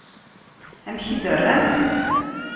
Amek i d-rrant?